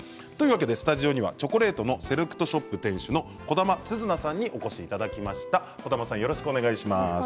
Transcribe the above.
スタジオにはチョコレートのセレクトショップ店主の児玉寿瑞奈さんにお越しいただきました。